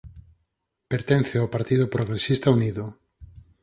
Pertence ao Partido Progresista Unido.